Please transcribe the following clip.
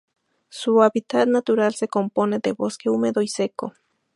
Su hábitat natural se compone de bosque húmedo y seco.